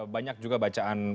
banyak juga bacaan